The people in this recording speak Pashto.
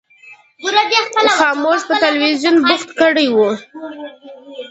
خاموش په تلویزیون بوخت کړی و.